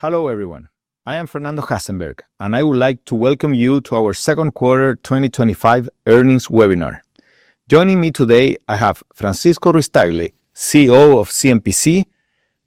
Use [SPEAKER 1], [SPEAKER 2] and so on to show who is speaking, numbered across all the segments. [SPEAKER 1] Hello everyone, I am Fernando Hassenberg and I would like to welcome you to our second quarter 2025 earnings webinar. Joining me today, I have Francisco Ruiz-Tagle, CEO of Empresas CMPC S.A.,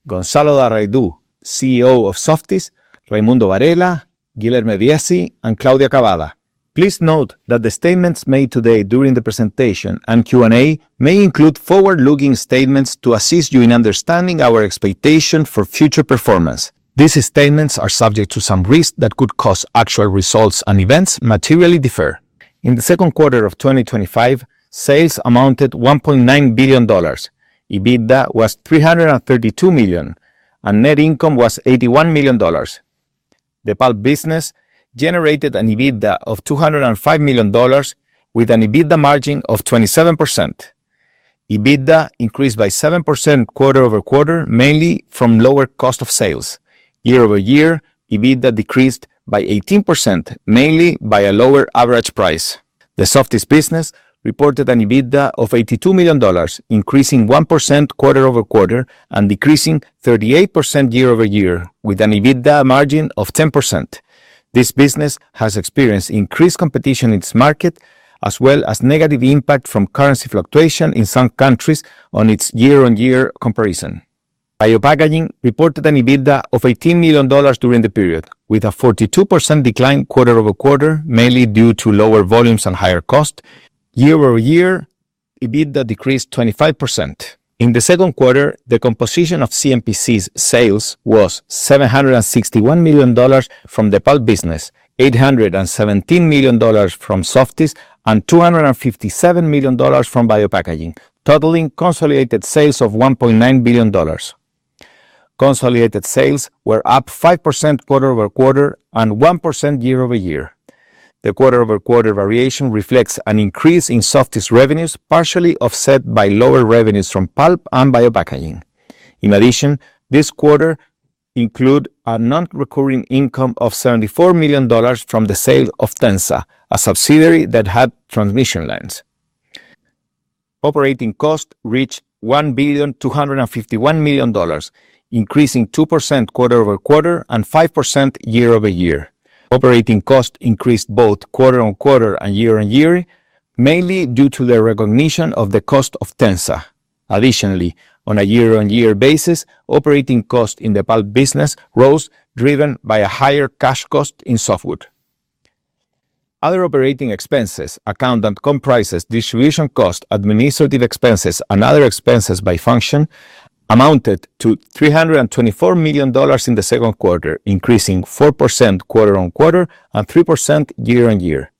[SPEAKER 1] Gonzalo de Ariztía, CEO of Softys, Raimundo Varela, Guilherme Viesi, and Claudia Cavada. Please note that the statements made today during the presentation and Q&A may include forward-looking statements to assist you in understanding our expectations for future performance. These statements are subject to some risks that could cause actual results and events to materially differ. In the second quarter of 2025, sales amounted to $1.9 billion, EBITDA was $332 million, and net income was $81 million. The pulp business generated an EBITDA of $205 million, with an EBITDA margin of 27%. EBITDA increased by 7% quarter-over-quarter, mainly from lower cost of sales. Year-over-year, EBITDA decreased by 18%, mainly by a lower average price. The Softys business reported an EBITDA of $82 million, increasing 1% quarter-over-quarter and decreasing 38% year-over-year, with an EBITDA margin of 10%. This business has experienced increased competition in its market, as well as negative impact from currency fluctuation in some countries on its year-on-year comparison. Biopackaging reported an EBITDA of $18 million during the period, with a 42% decline quarter-over-quarter, mainly due to lower volumes and higher cost. Year-over-year, EBITDA decreased 25%. In the second quarter, the composition of Empresas CMPC S.A.'s sales was $761 million from the pulp business, $817 million from Softys, and $257 million from Biopackaging, totaling consolidated sales of $1.9 billion. Consolidated sales were up 5% quarter-over-quarter and 1% year-over-year. The quarter-over-quarter variation reflects an increase in Softys revenues, partially offset by lower revenues from pulp and Biopackaging. In addition, this quarter included a non-recurring income of $74 million from the sale of Tensa, a subsidiary that had transmission lines. Operating costs reached $1,251 million, increasing 2% quarter-over-quarter and 5% year-over-year. Operating costs increased both quarter on quarter and year on year, mainly due to the recognition of the cost of Tensa. Additionally, on a year-on-year basis, operating costs in the pulp business rose, driven by a higher cash cost in softwood. Other operating expenses, accountant comp prices, distribution costs, administrative expenses, and other expenses by function amounted to $324 million in the second quarter, increasing 4% quarter-over-quarter and 3% year-on-year.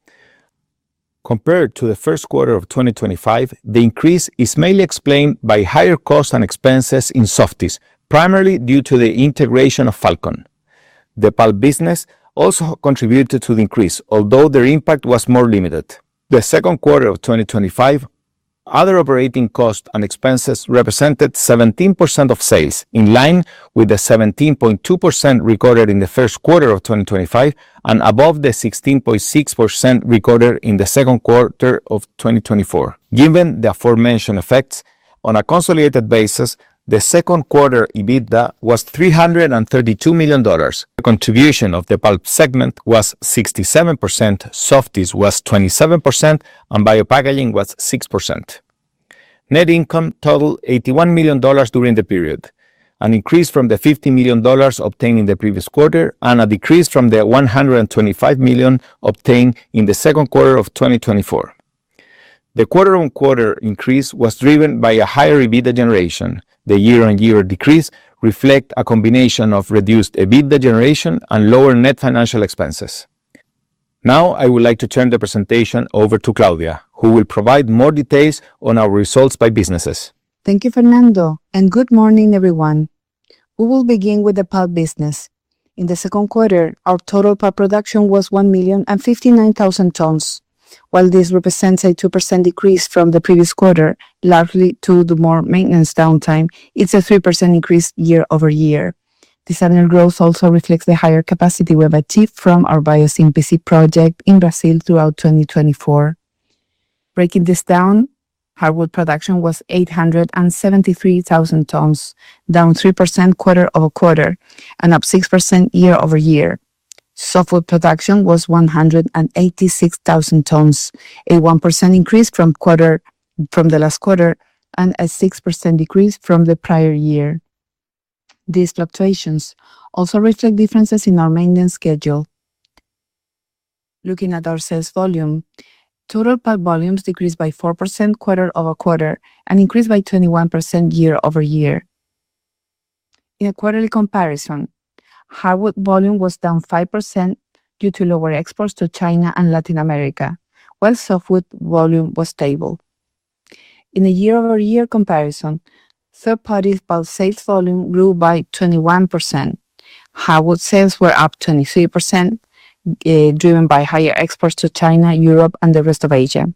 [SPEAKER 1] Compared to the first quarter of 2025, the increase is mainly explained by higher costs and expenses in Softys, primarily due to the integration of Falcon Personal Care. The pulp business also contributed to the increase, although their impact was more limited. In the second quarter of 2025, other operating costs and expenses represented 17% of sales, in line with the 17.2% recorded in the first quarter of 2025 and above the 16.6% recorded in the second quarter of 2024. Given the aforementioned effects, on a consolidated basis, the second quarter EBITDA was $332 million. Contribution of the pulp segment was 67%, Softys was 27%, and Biopackaging was 6%. Net income totaled $81 million during the period, an increase from the $50 million obtained in the previous quarter and a decrease from the $125 million obtained in the second quarter of 2024. The quarter-over-quarter increase was driven by a higher EBITDA generation. The year-on-year decrease reflects a combination of reduced EBITDA generation and lower net financial expenses. Now, I would like to turn the presentation over to Claudia Cavada, who will provide more details on our results by businesses.
[SPEAKER 2] Thank you, Fernando, and good morning, everyone. We will begin with the pulp business. In the second quarter, our total pulp production was 1,059,000 tons. While this represents a 2% decrease from the previous quarter, largely due to more maintenance downtime, it's a 3% increase year-over-year. This annual growth also reflects the higher capacity we've achieved from our BioCMPC project in Brazil throughout 2024. Breaking this down, hardwood production was 873,000 tons, down 3% quarter-over-quarter and up 6% year-over-year. Softwood production was 186,000 tons, a 1% increase from the last quarter and a 6% decrease from the prior year. These fluctuations also reflect differences in our maintenance schedule. Looking at our sales volume, total pulp volumes decreased by 4% quarter-over-quarter and increased by 21% year-over-year. In a quarterly comparison, hardwood volume was down 5% due to lower exports to China and Latin America, while softwood volume was stable. In a year-over-year comparison, third-party pulp sales volume grew by 21%. Hardwood sales were up 23%, driven by higher exports to China, Europe, and the rest of Asia.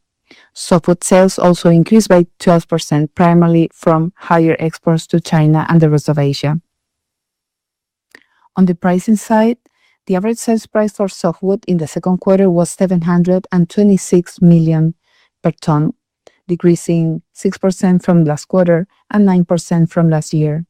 [SPEAKER 2] Softwood sales also increased by 12%, primarily from higher exports to China and the rest of Asia. On the pricing side, the average sales price for softwood in the second quarter was $726 per ton, decreasing 6% from last quarter and 9% from last year.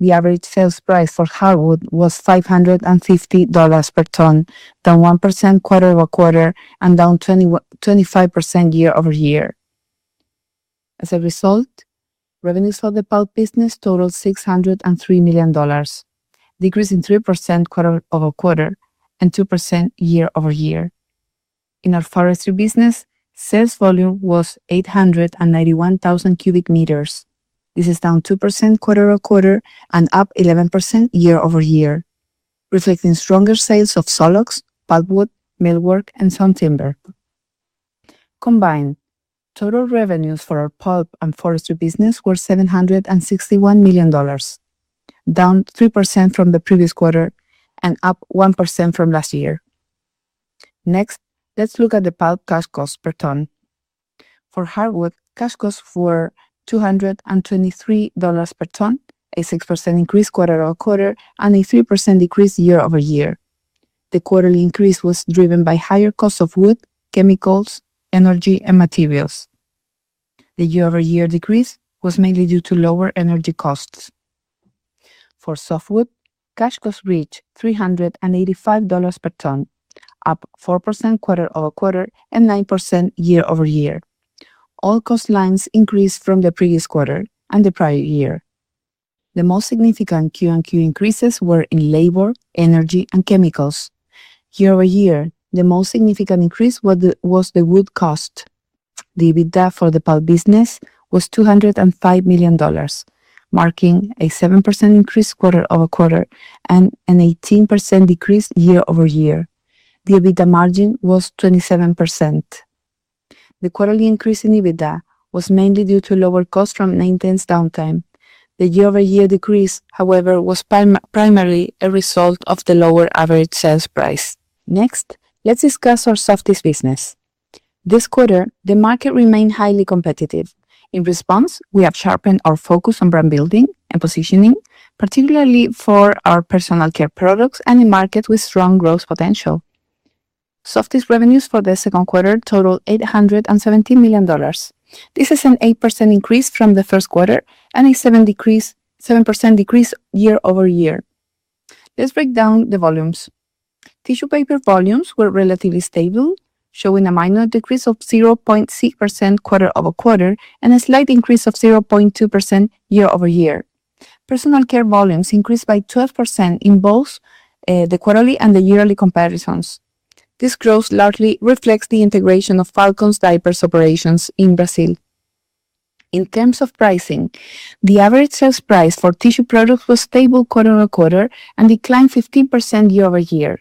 [SPEAKER 2] The average sales price for hardwood was $550 per ton, down 1% quarter-over-quarter and down 25% year-over-year. As a result, revenues of the pulp business totaled $603 million, decreasing 3% quarter-over-quarter and 2% year-over-year. In our forestry business, sales volume was 891,000 cubic meters. This is down 2% quarter-over-quarter and up 11% year-over-year, reflecting stronger sales of sawlogs, pine wood, millwork, and some timber. Combined, total revenues for our pulp and forestry business were $761 million, down 3% from the previous quarter and up 1% from last year. Next, let's look at the pulp cash costs per ton. For hardwood, cash costs were $223 per ton, a 6% increase quarter-over-quarter and a 3% decrease year-over-year. The quarterly increase was driven by higher costs of wood, chemicals, energy, and materials. The year-over-year decrease was mainly due to lower energy costs. For softwood, cash costs reached $385 per ton, up 4% quarter-over-quarter and 9% year-over-year. All cost lines increased from the previous quarter and the prior year. The most significant Q1Q increases were in labor, energy, and chemicals. Year-over-year, the most significant increase was the wood cost. The EBITDA for the pulp business was $205 million, marking a 7% increase quarter-over-quarter and an 18% decrease year-over-year. The EBITDA margin was 27%. The quarterly increase in EBITDA was mainly due to lower costs from maintenance downtime. The year-over-year decrease, however, was primarily a result of the lower average sales price. Next, let's discuss our Softys business. This quarter, the market remained highly competitive. In response, we have sharpened our focus on brand building and positioning, particularly for our personal care products and a market with strong growth potential. Softys revenues for the second quarter totaled $817 million. This is an 8% increase from the first quarter and a 7% decrease year-over-year. Let's break down the volumes. Tissue paper volumes were relatively stable, showing a minor decrease of 0.6% quarter-over-quarter and a slight increase of 0.2% year-over-year. Personal care volumes increased by 12% in both the quarterly and the yearly comparisons. This growth largely reflects the integration of Falcon Personal Care's diapers operations in Brazil. In terms of pricing, the average sales price for tissue products was stable quarter-over-quarter and declined 15% year-over-year.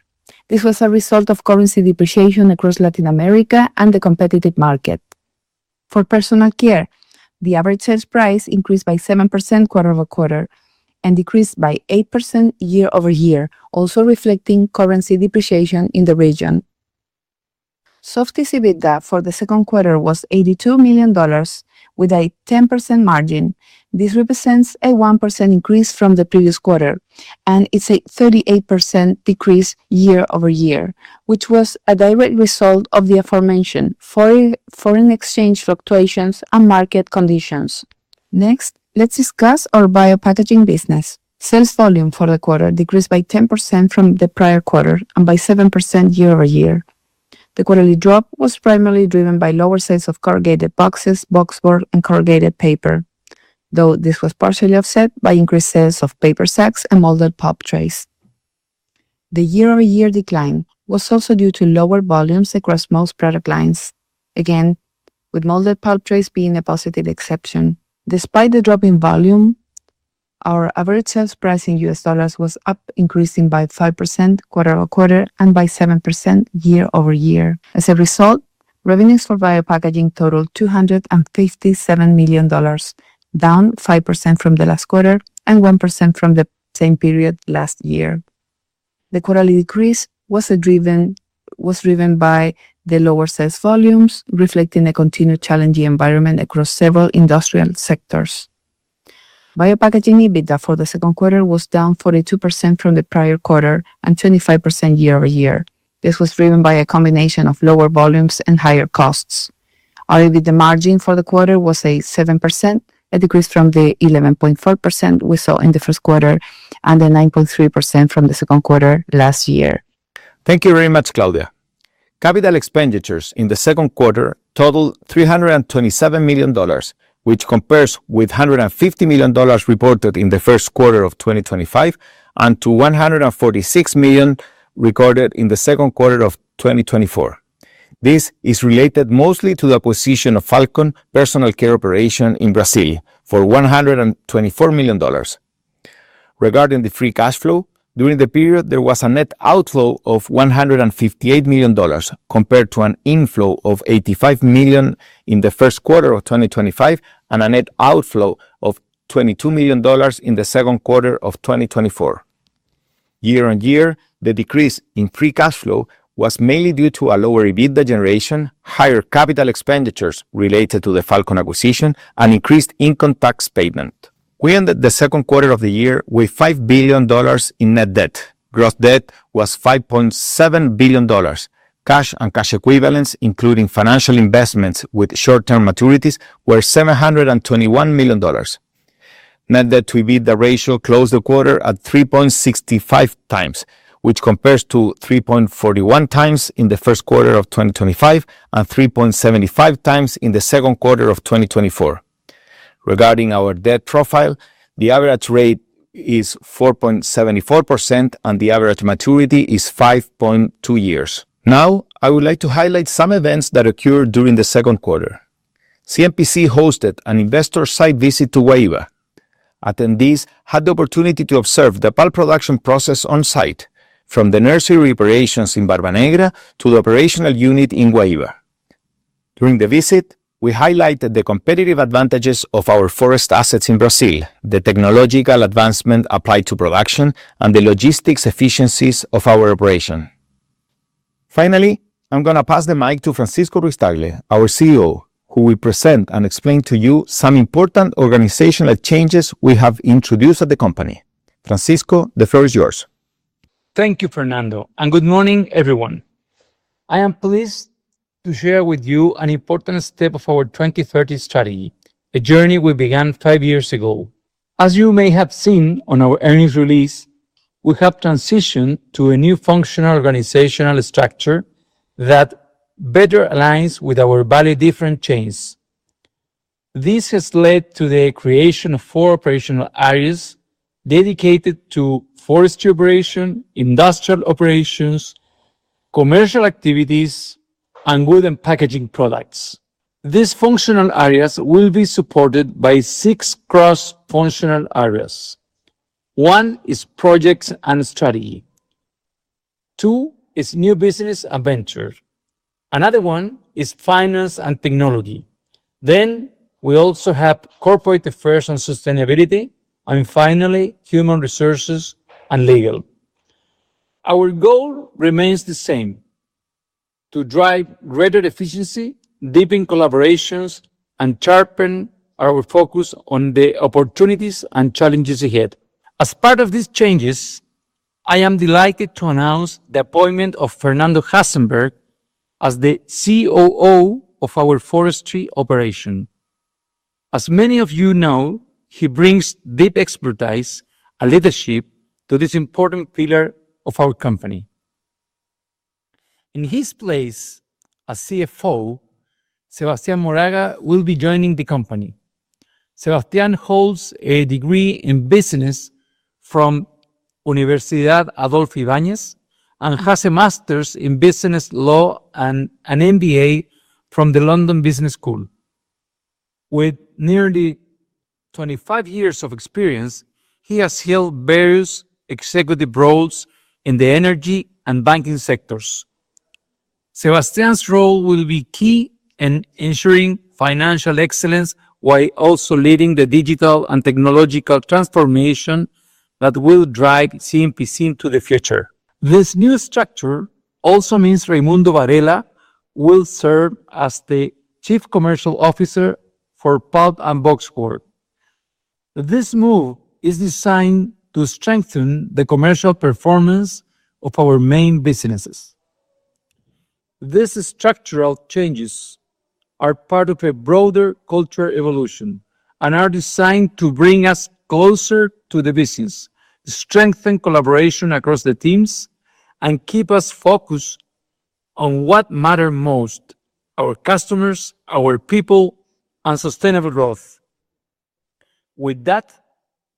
[SPEAKER 2] This was a result of currency depreciation across Latin America and the competitive market. For personal care, the average sales price increased by 7% quarter-over-quarter and decreased by 8% year-over-year, also reflecting currency depreciation in the region. Softys EBITDA for the second quarter was $82 million, with a 10% margin. This represents a 1% increase from the previous quarter and is a 38% decrease year-over-year, which was a direct result of the aforementioned foreign exchange fluctuations and market conditions. Next, let's discuss our Biopackaging business. Sales volume for the quarter decreased by 10% from the prior quarter and by 7% year-over-year. The quarterly drop was primarily driven by lower sales of corrugated boxes, boxboards, and corrugated paper, though this was partially offset by increased sales of paper sacks and molded pulp trays. The year-over-year decline was also due to lower volumes across most product lines, again with molded pulp trays being a positive exception. Despite the drop in volume, our average sales price in US dollars was up, increasing by 5% quarter-over-quarter and by 7% year-over-year. As a result, revenues for Biopackaging totaled $257 million, down 5% from the last quarter and 1% from the same period last year. The quarterly decrease was driven by the lower sales volumes, reflecting a continued challenging environment across several industrial sectors. Biopackaging EBITDA for the second quarter was down 42% from the prior quarter and 25% year-over-year. This was driven by a combination of lower volumes and higher costs. Our EBITDA margin for the quarter was 7%, a decrease from the 11.4% we saw in the first quarter and the 9.3% from the second quarter last year.
[SPEAKER 1] Thank you very much, Claudia. Capital expenditures in the second quarter totaled $327 million, which compares with $150 million reported in the first quarter of 2025 and to $146 million recorded in the second quarter of 2024. This is related mostly to the position of Falcon Personal Care operation in Brazil for $124 million. Regarding the free cash flow, during the period, there was a net outflow of $158 million compared to an inflow of $85 million in the first quarter of 2025 and a net outflow of $22 million in the second quarter of 2024. Year on year, the decrease in free cash flow was mainly due to a lower EBITDA generation, higher capital expenditures related to the Falcon acquisition, and increased income tax payment. We ended the second quarter of the year with $5 billion in net debt. Gross debt was $5.7 billion. Cash and cash equivalents, including financial investments with short-term maturities, were $721 million. Net debt to EBITDA ratio closed the quarter at 3.65 times, which compares to 3.41 times in the first quarter of 2025 and 3.75 times in the second quarter of 2024. Regarding our debt profile, the average rate is 4.74% and the average maturity is 5.2 years. Now, I would like to highlight some events that occurred during the second quarter. Empresas CMPC S.A. hosted an investor site visit to Guaíba. Attendees had the opportunity to observe the pulp production process on site, from the nursery preparations in Barbanegra to the operational unit in Guaíba. During the visit, we highlighted the competitive advantages of our forest assets in Brazil, the technological advancement applied to production, and the logistics efficiencies of our operation. Finally, I'm going to pass the mic to Francisco Ruiz-Tagle, our CEO, who will present and explain to you some important organizational changes we have introduced at the company. Francisco, the floor is yours.
[SPEAKER 3] Thank you, Fernando, and good morning, everyone. I am pleased to share with you an important step of our 2030 strategy, a journey we began five years ago. As you may have seen on our earnings release, we have transitioned to a new functional organizational structure that better aligns with our value differentials. This has led to the creation of four operational areas dedicated to Forestry Operation, Industrial Operations, Commercial Activities, and Wood and Packaging Products. These functional areas will be supported by six cross-functional areas. One is Projects and Strategy. Two is New Business and Venture. Another one is Finance and Technology. We also have Corporate Affairs and Sustainability, and finally, Human Resources and Legal. Our goal remains the same: to drive greater efficiency, deepen collaborations, and sharpen our focus on the opportunities and challenges ahead. As part of these changes, I am delighted to announce the appointment of Fernando Hassenberg as the Chief Operating Officer of our Forestry Operation. As many of you know, he brings deep expertise and leadership to this important pillar of our company. In his place as Chief Financial Officer, Sebastián Moraga will be joining the company. Sebastián holds a degree in business from Universidad Adolfo Ibáñez and has a master's in business law and an MBA from the London Business School. With nearly 25 years of experience, he has held various executive roles in the energy and banking sectors. Sebastián's role will be key in ensuring financial excellence while also leading the digital and technological transformation that will drive Empresas CMPC S.A. into the future. This new structure also means Raimundo Varela will serve as the Chief Commercial Officer for Pulp and Boxboard. This move is designed to strengthen the commercial performance of our main businesses. These structural changes are part of a broader culture evolution and are designed to bring us closer to the business, strengthen collaboration across the teams, and keep us focused on what matters most: our customers, our people, and sustainable growth. With that,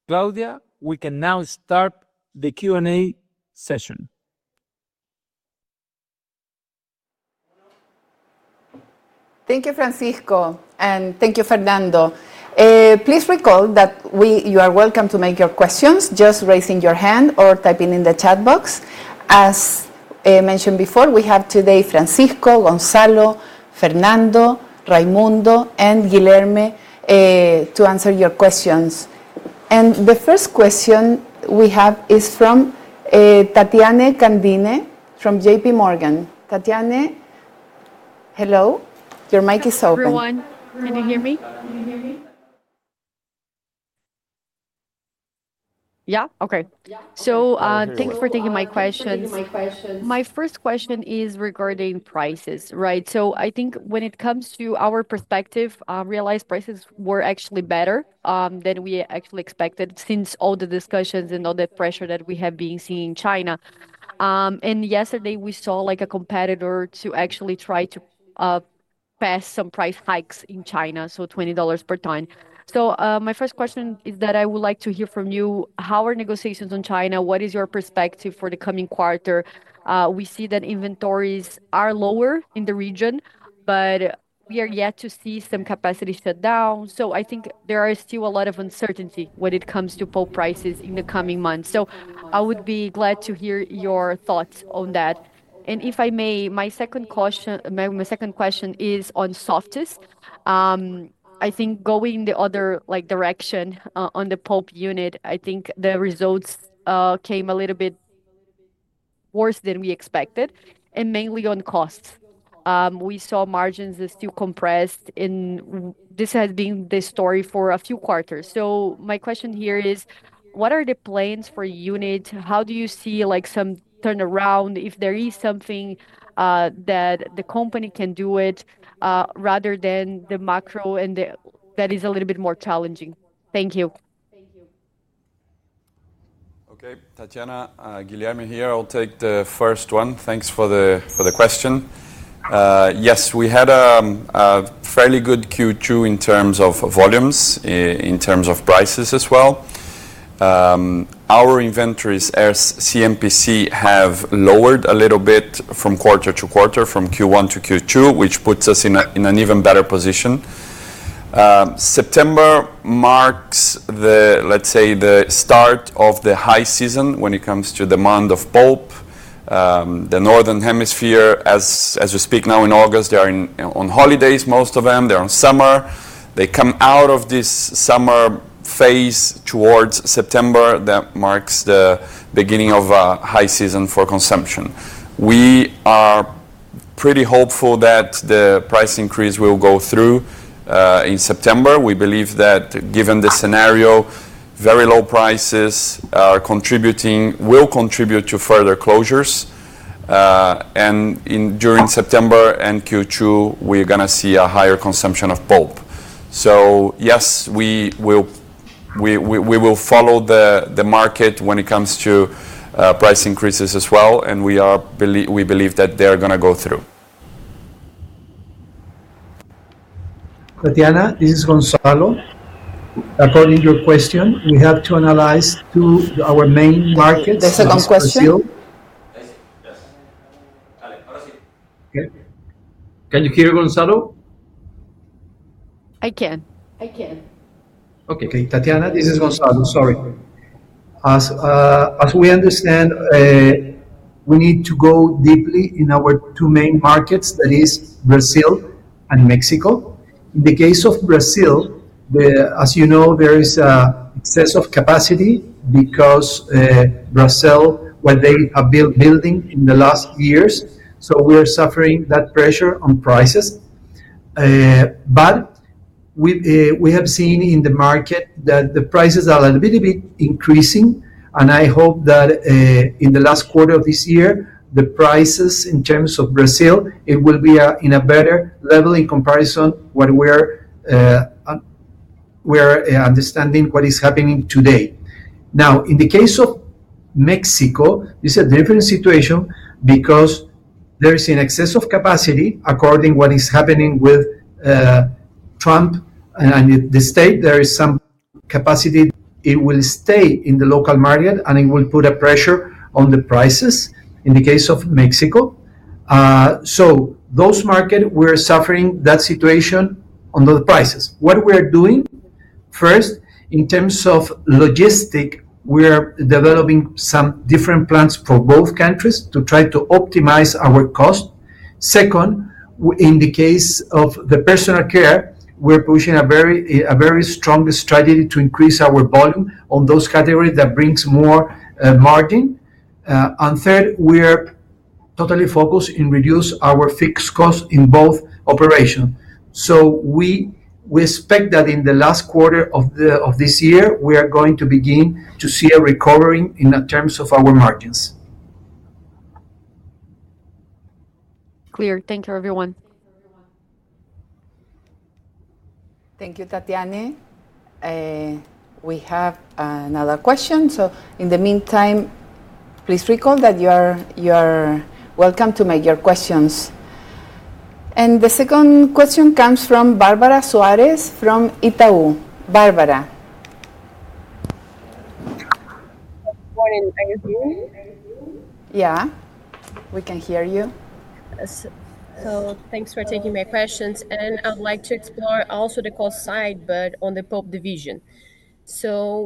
[SPEAKER 3] Claudia, we can now start the Q&A session. Thank you, Francisco, and thank you, Fernando. Please recall that you are welcome to make your questions just raising your hand or typing in the chat box. As I mentioned before, we have today Francisco, Gonzalo, Fernando, Raimundo, and Guilherme to answer your questions. The first question we have is from Tatiana Candia from J.P. Morgan. Tatiana, hello. Your mic is open.
[SPEAKER 4] Hello, everyone. Can you hear me? Can you hear me? Yeah, okay. Thank you for taking my questions. My first question is regarding prices, right? I think when it comes to our perspective, I realize prices were actually better than we actually expected since all the discussions and all the pressure that we have been seeing in China. Yesterday we saw a competitor actually try to pass some price hikes in China, so $20 per ton. My first question is that I would like to hear from you. How are negotiations in China? What is your perspective for the coming quarter? We see that inventories are lower in the region, but we are yet to see some capacity shut down. I think there is still a lot of uncertainty when it comes to pulp prices in the coming months. I would be glad to hear your thoughts on that. If I may, my second question is on Softys. I think going the other direction, on the pulp unit, I think the results came a little bit worse than we expected, and mainly on costs. We saw margins are still compressed, and this has been the story for a few quarters. My question here is, what are the plans for units? How do you see some turnaround if there is something that the company can do, rather than the macro and that is a little bit more challenging? Thank you.
[SPEAKER 5] Okay, Tatiana, Guilherme here. I'll take the first one. Thanks for the question. Yes, we had a fairly good Q2 in terms of volumes, in terms of prices as well. Our inventories as Empresas CMPC S.A. have lowered a little bit from quarter-quarter, from Q1 to Q2, which puts us in an even better position. September marks the, let's say, the start of the high season when it comes to demand of pulp. The northern hemisphere, as we speak now in August, they are on holidays, most of them. They're on summer. They come out of this summer phase towards September that marks the beginning of a high season for consumption. We are pretty hopeful that the price increase will go through in September. We believe that given the scenario, very low prices are contributing, will contribute to further closures. During September and Q2, we're going to see a higher consumption of pulp. Yes, we will follow the market when it comes to price increases as well, and we believe that they're going to go through. Tatiana, this is Gonzalo. According to your question, we have to analyze two of our main markets. The second question?
[SPEAKER 3] Can you hear Gonzalo?
[SPEAKER 4] I can. Okay. Tatiana, this is Gonzalo. Sorry. As we understand, we need to go deeply in our two main markets, that is Brazil and Mexico. In the case of Brazil, as you know, there is a sense of capacity because Brazil, what they have been building in the last years. We are suffering that pressure on prices. We have seen in the market that the prices are a little bit increasing, and I hope that in the last quarter of this year, the prices in terms of Brazil, it will be in a better level in comparison to what we're understanding what is happening today. In the case of Mexico, this is a different situation because there is an excess of capacity according to what is happening with Trump and the state. There is some capacity, it will stay in the local market and it will put a pressure on the prices in the case of Mexico. Those markets, we're suffering that situation on those prices. What we are doing first in terms of logistics, we are developing some different plans for both countries to try to optimize our cost. Second, in the case of the personal care, we're pushing a very strong strategy to increase our volume on those categories that bring more margin. Third, we are totally focused on reducing our fixed costs in both operations. We expect that in the last quarter of this year, we are going to begin to see a recovery in terms of our margins. Clear. Thank you, everyone. Thank you, Tatiana. We have another question. In the meantime, please recall that you are welcome to make your questions. The second question comes from Bárbara Suárez from Itaú. Barbara. Morning. Are you hearing me? Yeah, we can hear you. Thank you for taking my questions. I would like to explore also the cost side, but on the pulp division.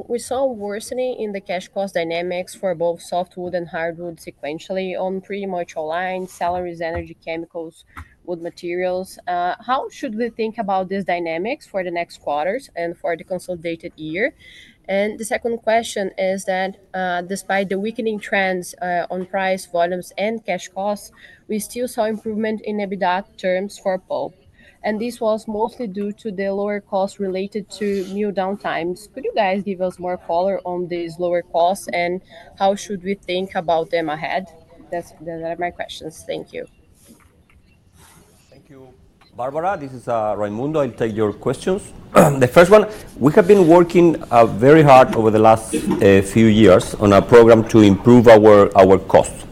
[SPEAKER 4] We saw worsening in the cash cost dynamics for both softwood and hardwood sequentially on pretty much all lines: salaries, energy, chemicals, wood materials. How should we think about these dynamics for the next quarters and for the consolidated year? The second question is that despite the weakening trends on price volumes and cash costs, we still saw improvement in EBITDA terms for pulp. This was mostly due to the lower costs related to new downtimes. Could you give us more color on these lower costs and how should we think about them ahead? That's my questions. Thank you.
[SPEAKER 6] Thank you, Barbara. This is Raimundo. I'll take your questions. The first one, we have been working very hard over the last few years on our program to improve our costs.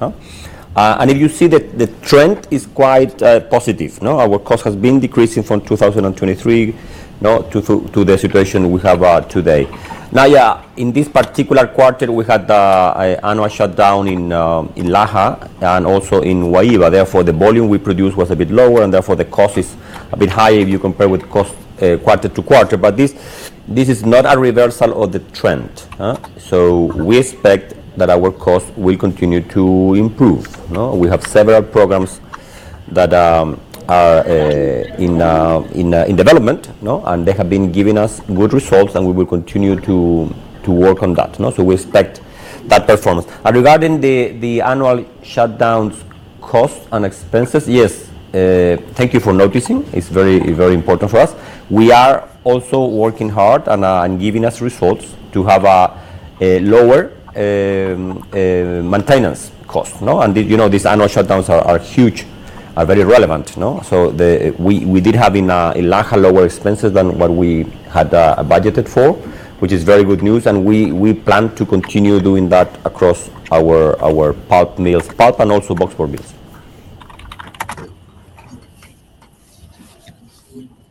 [SPEAKER 6] If you see that the trend is quite positive, our cost has been decreasing from 2023 to the situation we have today. Now, in this particular quarter, we had the annual shutdown in Laja and also in Guaíba. Therefore, the volume we produced was a bit lower and therefore the cost is a bit higher if you compare with cost quarter-over-quarter. This is not a reversal of the trend. We expect that our costs will continue to improve. We have several programs that are in development and they have been giving us good results and we will continue to work on that. We expect that performance. Regarding the annual shutdowns costs and expenses, yes, thank you for noticing. It's very, very important for us. We are also working hard and giving us results to have a lower maintenance cost. You know these annual shutdowns are huge, are very relevant. We did have in Laja lower expenses than what we had budgeted for, which is very good news. We plan to continue doing that across our pulp mills, pulp and also boxboard mills.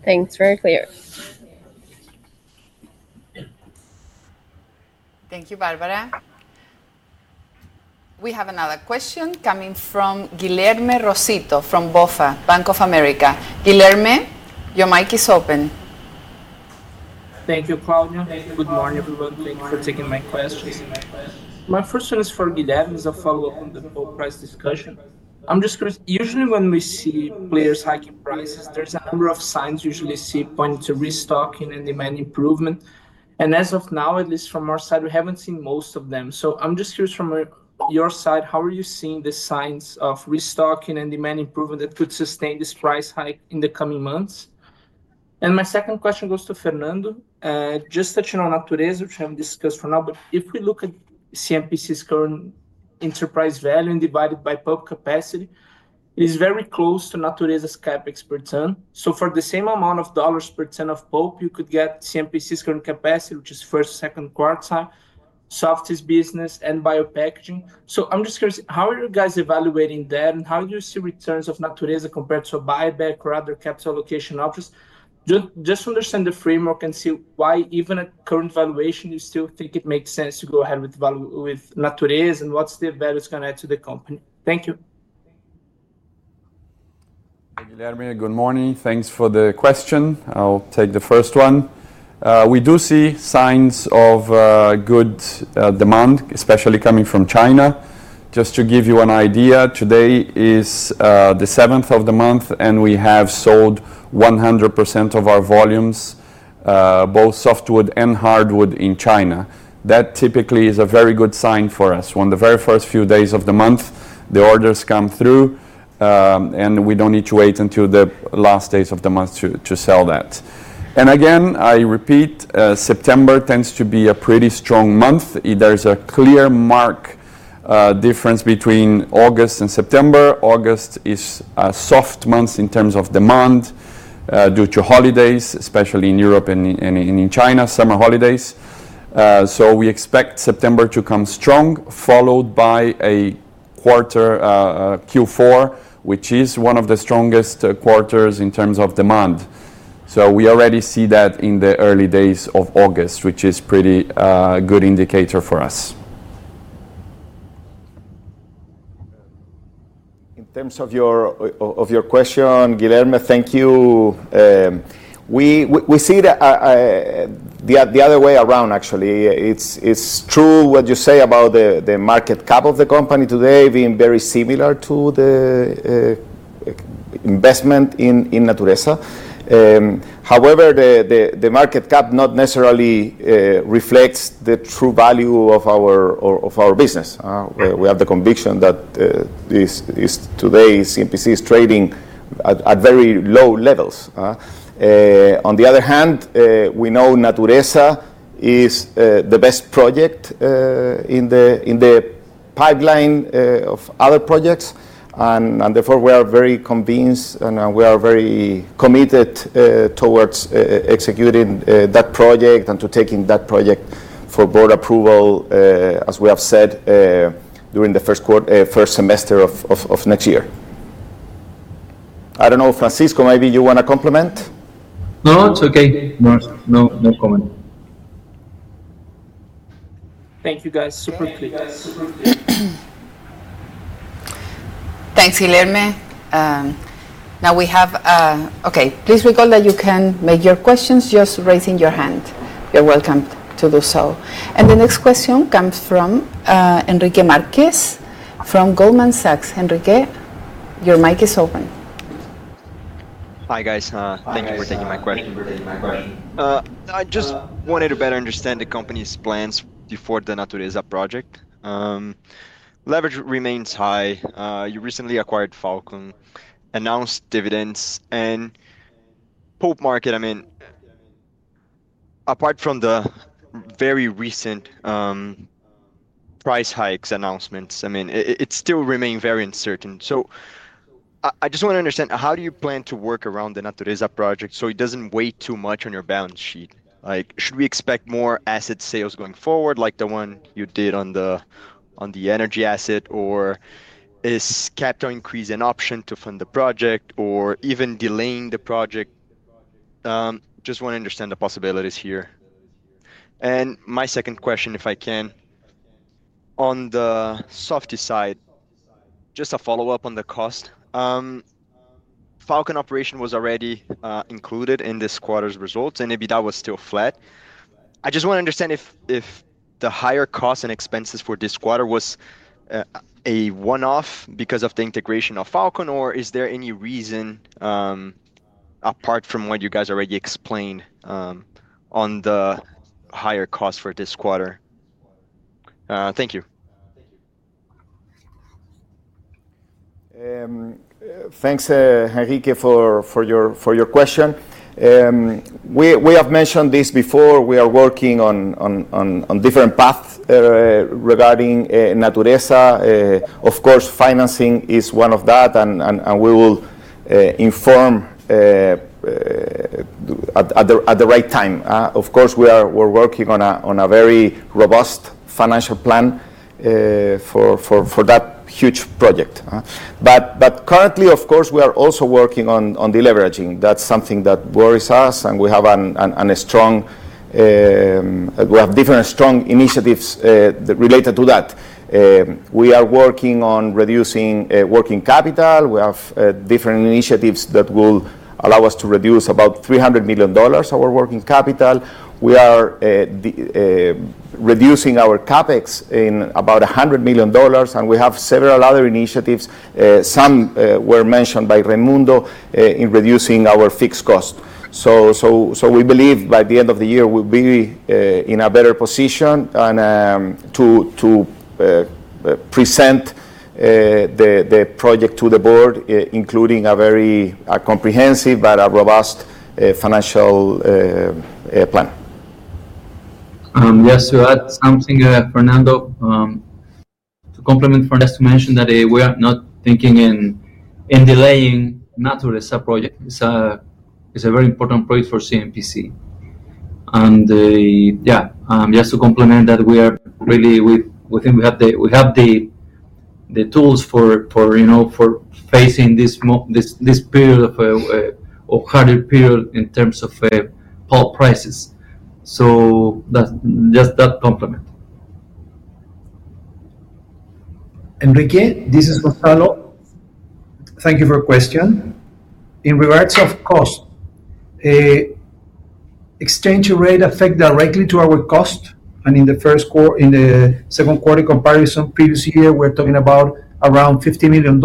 [SPEAKER 6] Thanks, very clear. Thank you, Barbara. We have another question coming from Guilherme Viesi from Bank of America. Guilherme, your mic is open.
[SPEAKER 5] Thank you, Claudia. Good morning, everyone. Thank you for taking my questions. My question is for Guilherme as a follow-up on the full price discussion. I'm just curious, usually when we see players hiking prices, there's a number of signs usually seen pointing to restocking and demand improvement. As of now, at least from our side, we haven't seen most of them. I'm just curious from your side, how are you seeing the signs of restocking and demand improvement that could sustain this price hike in the coming months? My second question goes to Fernando, just touching on Natureza, which I haven't discussed for now. If we look at Empresas CMPC S.A.'s current enterprise value and divide it by pulp capacity, it is very close to Natureza's CapEx per ton. For the same amount of dollars per ton of pulp, you could get Empresas CMPC S.A.'s current capacity, which is first, second quartile, Softys business, and Biopackaging. I'm just curious, how are you guys evaluating that and how do you see returns of Natureza compared to a buyback or other capital allocation offers? I just want to understand the framework and see why even at current valuation, you still think it makes sense to go ahead with Natureza and what's the value it's going to add to the company. Thank you.
[SPEAKER 1] Hi, Guilherme. Good morning. Thanks for the question. I'll take the first one. We do see signs of good demand, especially coming from China. Just to give you an idea, today is the seventh of the month and we have sold 100% of our volumes, both softwood and hardwood, in China. That typically is a very good sign for us. On the very first few days of the month, the orders come through and we don't need to wait until the last days of the month to sell that. I repeat, September tends to be a pretty strong month. There's a clear mark difference between August and September. August is a soft month in terms of demand due to holidays, especially in Europe and in China, summer holidays. We expect September to come strong, followed by a quarter, Q4, which is one of the strongest quarters in terms of demand. We already see that in the early days of August, which is a pretty good indicator for us.
[SPEAKER 6] In terms of your question, Guilherme, thank you. We see that the other way around, actually. It's true what you say about the market cap of the company today being very similar to the investment in Natureza. However, the market cap not necessarily reflects the true value of our business. We have the conviction that today Empresas CMPC S.A. is trading at very low levels. On the other hand, we know Natureza is the best project in the pipeline of other projects. Therefore, we are very convinced and we are very committed towards executing that project and to taking that project for board approval, as we have said, during the first semester of next year. I don't know, Francisco, maybe you want to complement?
[SPEAKER 3] No, it's okay. No comment.
[SPEAKER 5] Thank you, guys. Super clear. Thanks, Guilherme. Please recall that you can make your questions just raising your hand. You're welcome to do so. The next question comes from from Goldman Sachs. Enrique, your mic is open. Hi guys, thank you for taking my question. I just wanted to better understand the company's plans before the Natureza project. Leverage remains high. You recently acquired Falcon, announced dividends, and pulp market, I mean, apart from the very recent price hikes announcements, it still remains very uncertain. I just want to understand how do you plan to work around the Natureza project so it doesn't weigh too much on your balance sheet. Should we expect more asset sales going forward, like the one you did on the energy asset, or is capital increase an option to fund the project or even delaying the project? I just want to understand the possibilities here. My second question, if I can, on the Softys side, just a follow-up on the cost. Falcon operation was already included in this quarter's results, and EBITDA was still flat. I just want to understand if the higher cost and expenses for this quarter was a one-off because of the integration of Falcon, or is there any reason apart from what you guys already explained on the higher cost for this quarter? Thank you.
[SPEAKER 1] Thanks, Enrique, for your question. We have mentioned this before. We are working on different paths regarding Natureza. Of course, financing is one of that, and we will inform at the right time. Of course, we're working on a very robust financial plan for that huge project. Currently, of course, we are also working on deleveraging. That's something that worries us, and we have different strong initiatives related to that. We are working on reducing working capital. We have different initiatives that will allow us to reduce about $300 million our working capital. We are reducing our CapEx in about $100 million, and we have several other initiatives. Some were mentioned by Raimundo in reducing our fixed cost. We believe by the end of the year, we'll be in a better position to present the project to the board, including a very comprehensive but a robust financial plan.
[SPEAKER 3] Yes, to add something, Fernando, to complement. Just to mention that we are not thinking in delaying Natureza project. It's a very important project for Empresas CMPC S.A., and yeah, just to complement that, we are really, we think we have the tools for facing this period of a harder period in terms of pulp prices. That's just that compliment. Enrique, this is Gonzalo. Thank you for your question. In regards of cost, exchange rate affects directly to our cost. In the second quarter comparison previous year, we're talking about around $50 million.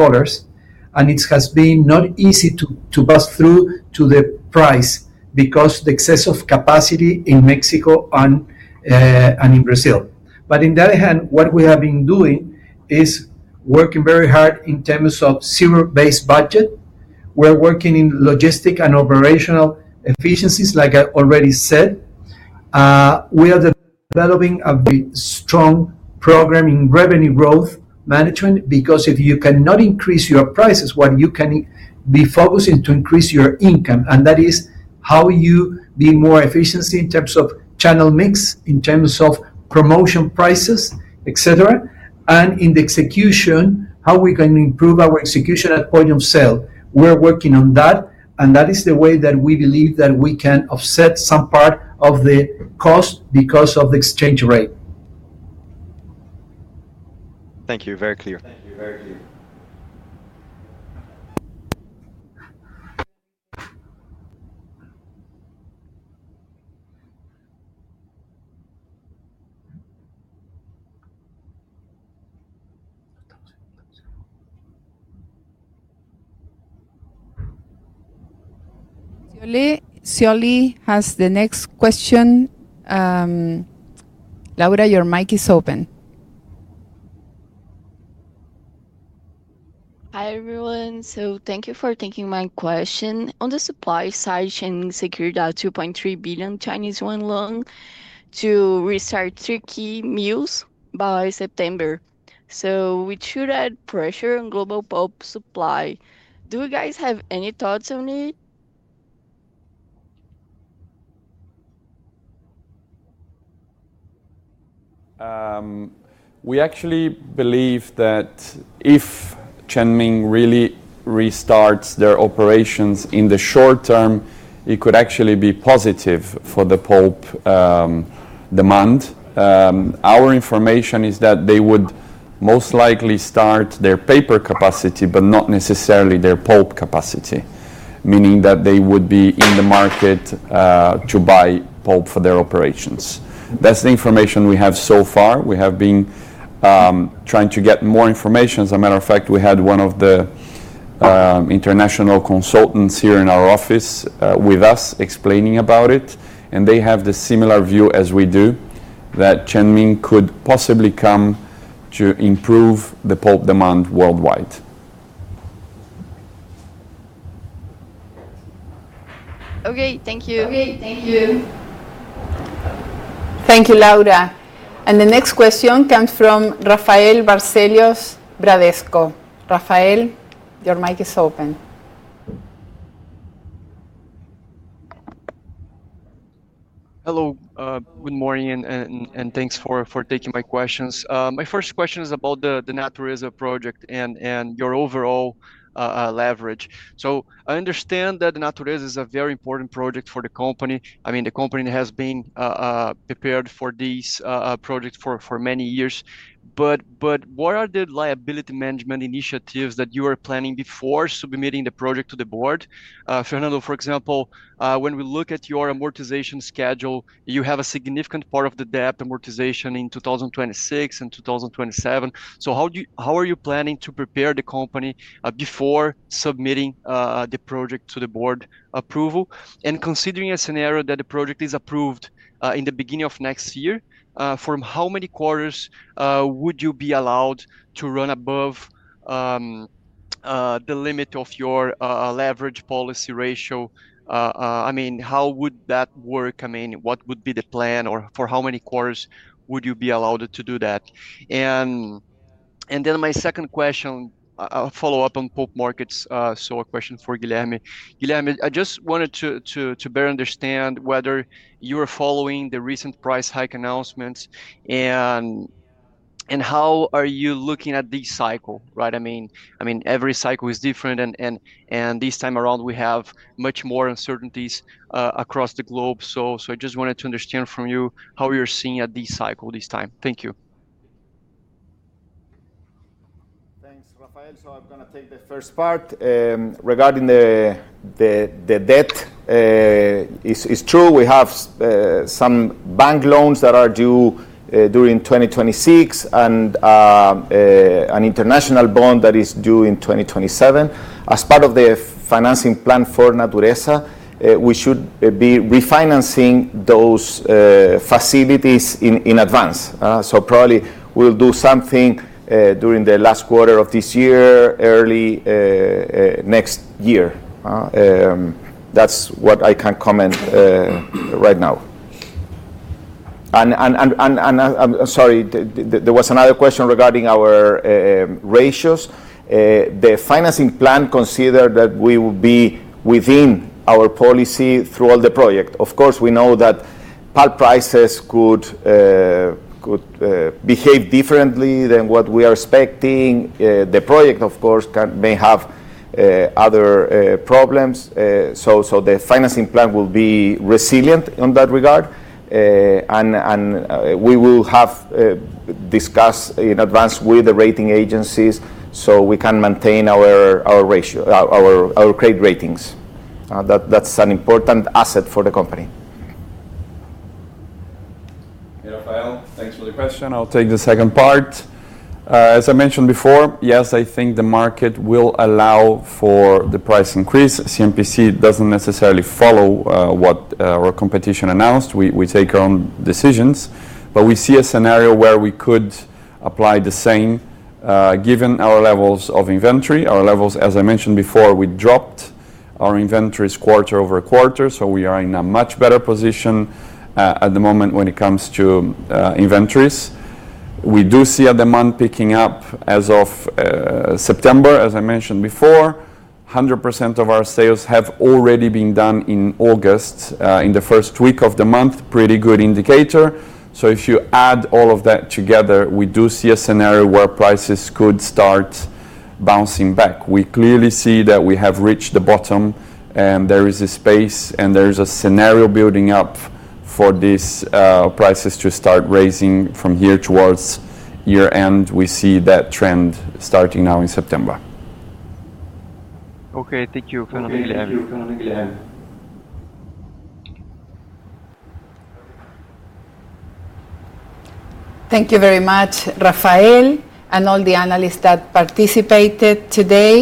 [SPEAKER 3] It has been not easy to pass through to the price because of the excess of capacity in Mexico and in Brazil. On the other hand, what we have been doing is working very hard in terms of zero-based budget. We're working in logistic and operational efficiencies, like I already said. We are developing a strong program in revenue growth management because if you cannot increase your prices, what you can be focusing to increase your income. That is how you be more efficient in terms of channel mix, in terms of promotion prices, etc. In the execution, how we can improve our execution at point of sale. We're working on that. That is the way that we believe that we can offset some part of the cost because of the exchange rate. Thank you, very clear. Sioli has the next question. Laura, your mic is open. Hi, everyone. Thank you for taking my question. On the supply side, China secured a 2.3 billion Chinese yuan loan to restart tricky mills by September. We should add pressure on global pulp supply. Do you guys have any thoughts on it?
[SPEAKER 6] We actually believe that if Chenming really restarts their operations in the short term, it could actually be positive for the pulp demand. Our information is that they would most likely start their paper capacity, but not necessarily their pulp capacity, meaning that they would be in the market to buy pulp for their operations. That's the information we have so far. We have been trying to get more information. As a matter of fact, we had one of the international consultants here in our office with us explaining about it. They have the similar view as we do that Chenming could possibly come to improve the pulp demand worldwide. Okay, thank you. Okay, thank you. Thank you, Laura. The next question comes from Rafael Barcellos Bradesco. Rafael, your mic is open. Hello, good morning, and thanks for taking my questions. My first question is about the Natureza project and your overall leverage. I understand that Natureza is a very important project for the company. The company has been prepared for this project for many years. What are the liability management initiatives that you are planning before submitting the project to the board? Fernando, for example, when we look at your amortization schedule, you have a significant part of the debt amortization in 2026 and 2027. How are you planning to prepare the company before submitting the project to the board approval? Considering a scenario that the project is approved in the beginning of next year, from how many quarters would you be allowed to run above the limit of your leverage policy ratio? How would that work? What would be the plan or for how many quarters would you be allowed to do that? My second question, a follow-up on pulp markets, is for Guilherme. Guilherme, I just wanted to better understand whether you are following the recent price hike announcements and how are you looking at this cycle? Every cycle is different and this time around we have much more uncertainties across the globe. I just wanted to understand from you how you're seeing at this cycle this time. Thank you.
[SPEAKER 1] Thanks, Rafael. I'm going to take the first part. Regarding the debt, it's true. We have some bank loans that are due during 2026 and an international bond that is due in 2027. As part of the financing plan for Natureza, we should be refinancing those facilities in advance. Probably we'll do something during the last quarter of this year or early next year. That's what I can comment right now. There was another question regarding our ratios. The financing plan considers that we will be within our policy throughout the project. Of course, we know that pulp prices could behave differently than what we are expecting. The project, of course, may have other problems. The financing plan will be resilient in that regard. We will have discussed in advance with the rating agencies so we can maintain our credit ratings. That's an important asset for the company.
[SPEAKER 5] Rafael, thanks for the question. I'll take the second part. As I mentioned before, yes, I think the market will allow for the price increase. Empresas CMPC S.A. doesn't necessarily follow what our competition announced. We take our own decisions, but we see a scenario where we could apply the same, given our levels of inventory. Our levels, as I mentioned before, we dropped our inventories quarter-over-quarter, so we are in a much better position at the moment when it comes to inventories. We do see a demand picking up as of September, as I mentioned before. 100% of our sales have already been done in August, in the first week of the month, pretty good indicator. If you add all of that together, we do see a scenario where prices could start bouncing back. We clearly see that we have reached the bottom and there is a space and there is a scenario building up for these prices to start raising from here towards year end. W see that trend starting now in September.
[SPEAKER 3] Okay, thank you, Fernando. Thank you, Guilherme. Thank you very much, Rafael, and all the analysts that participated today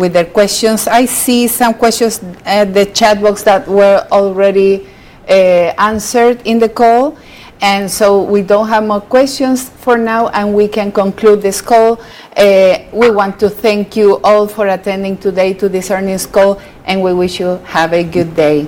[SPEAKER 3] with their questions. I see some questions at the chat box that were already answered in the call. We don't have more questions for now and we can conclude this call. We want to thank you all for attending today to this earnings call and we wish you have a good day.